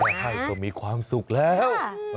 แต่ให้เขามีความสุขแล้ว